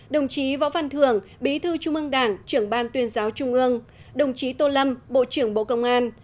đồng chí võ văn thường bí thư trung ương đảng trưởng ban tuyên giáo trung ương đồng chí tô lâm bộ trưởng bộ công an